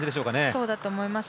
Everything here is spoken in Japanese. そうだと思います。